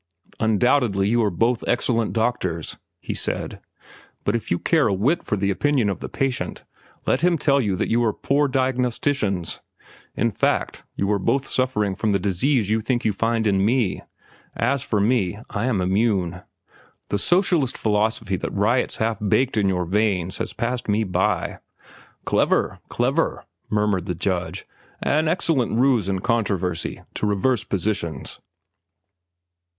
"Undoubtedly you are both excellent doctors," he said; "but if you care a whit for the opinion of the patient, let him tell you that you are poor diagnosticians. In fact, you are both suffering from the disease you think you find in me. As for me, I am immune. The socialist philosophy that riots half baked in your veins has passed me by." "Clever, clever," murmured the judge. "An excellent ruse in controversy, to reverse positions."